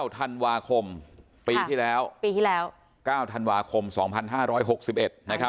๙ธันวาคมปีที่แล้ว๙ธันวาคม๒๕๖๑นะครับ